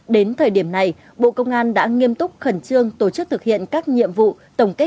đến thời điểm này bộ công an đã nghiêm túc khẩn trương tổ chức thực hiện các nhiệm vụ tổng kết